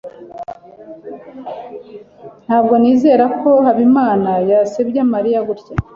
ntabwo nizera ko habimana yasebya mariya gutya